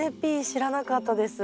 知らなかったです。